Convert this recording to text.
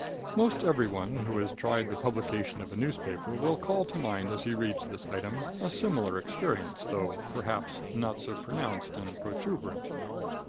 Most everyone who has tried the publication of a newspaper will call to mind as he reads this item, a similar experience, though, perhaps, not so pronounced and protuberant.